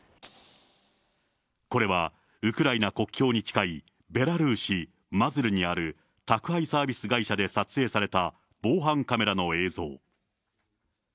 これはウクライナ国境に近い、ベラルーシ・マズィルにある宅配サービス会社で撮影された防犯カメラの映像。